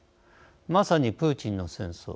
まさにプーチンの戦争。